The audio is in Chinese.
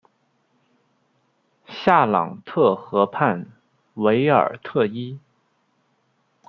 夏朗特河畔韦尔特伊。